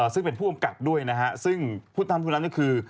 ซึ่งเป็นผู้อำกับด้วยซึ่งผู้ตามผู้นำนี่คือ